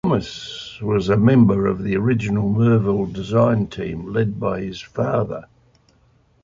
Thomas was a member of the original Merville design team led by his father.